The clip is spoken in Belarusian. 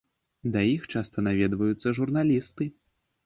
Да іх часта наведваюцца журналісты.